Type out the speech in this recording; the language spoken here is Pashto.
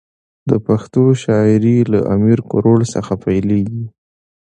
د پښتو شاعري له امیر ګروړ څخه پیلېږي.